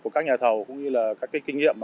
của các nhà thầu cũng như là các cái kinh nghiệm